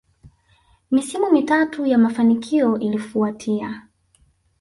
Misimu mitatu ya mafanikio ilifuatia